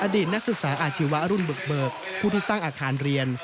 อดีตนักศึกษาอาชีวะรุ่นบุกเบิกผู้ที่สร้างอาคารเรียน